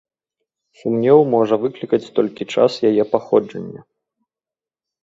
Сумнеў можа выклікаць толькі час яе паходжання.